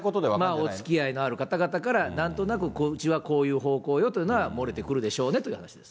おつきあいのある方々からなんとなくうちはこういう方向よというのは漏れてくるでしょうねという話です。